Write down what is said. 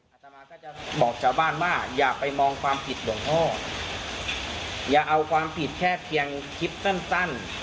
อาตมาก็จะบอกชาวบ้านว่าอย่าไปมองความผิดหลวงพ่ออย่าเอาความผิดแค่เพียงคลิปสั้นสั้น